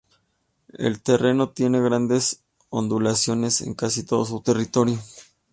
El terreno tiene grandes ondulaciones en casi todo su territorio.